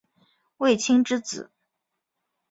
卫青之子。